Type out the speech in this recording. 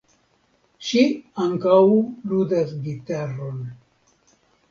Ŝi ankaŭ ludas gitaron.